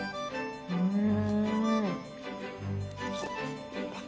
うん！